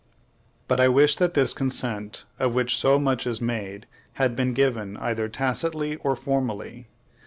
But I wish that this consent, of which so much is made, had been given, either tacitly or formally.